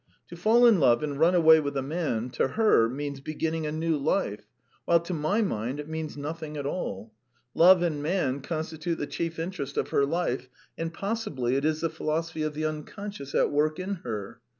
To fall in love and run away with a man to her means beginning a new life, while to my mind it means nothing at all. Love and man constitute the chief interest of her life, and possibly it is the philosophy of the unconscious at work in her.